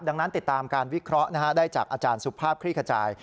ดังนั้นติดตามการวิเคราะห์ได้จากอาจารย์สุภาพคลี่ขจาย